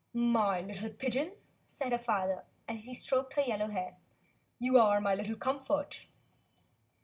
*'My little pigeon," said her father, and he stroked her yellow hair: "my little comfort."